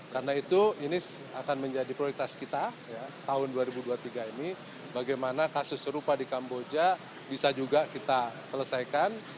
karena itu ini akan menjadi prioritas kita tahun dua ribu dua puluh tiga ini bagaimana kasus serupa di kamboja bisa juga kita selesaikan